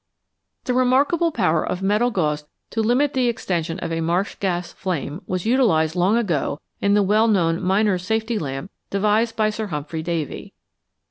The remarkable power of metal gauze to limit the extension of a marsh gas flame was utilised long ago in the well known miner's safety lamp devised by Sir Humphry Davy.